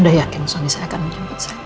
udah yakin suaminya akan jemput saya